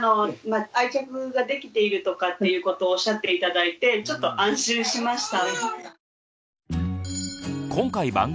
愛着ができているとかっていうことをおっしゃって頂いてちょっと安心しました。